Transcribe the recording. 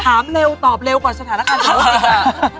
ถามเร็วตอบเร็วกว่าสถานการณ์ของรถอีกค่ะ